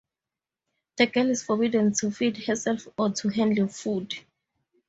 The girl is forbidden to feed herself or to handle food.